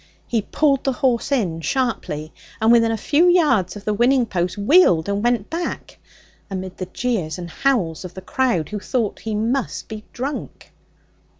He pulled the horse in sharply, and within a few yards of the winning post wheeled and went back, amid the jeers and howls of the crowd, who thought he must be drunk.